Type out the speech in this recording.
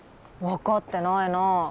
分かってないな。